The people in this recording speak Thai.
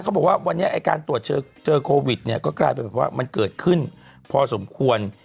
เขาบอกว่าวันนี้ไอ้การตรวจเจอโควิดเนี่ยก็กลายเป็นแบบว่ามันเกิดขึ้นพอสมควร